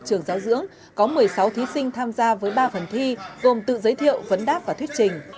trường giáo dưỡng có một mươi sáu thí sinh tham gia với ba phần thi gồm tự giới thiệu vấn đáp và thuyết trình